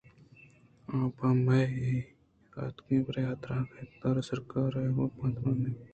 آ پہ ہمائی ءَ اتکگ پرے حاترا اُگدہ دار ءُسرکار ءَ گوں گپ ءُترٛان پرچا مہ کنت